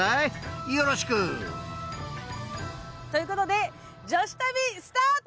［よろしく！］ということで女子旅スタート！